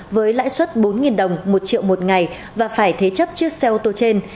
với lãi suất bốn đồng một triệu một ngày và phải thế chấp chiếc xe ô tô trên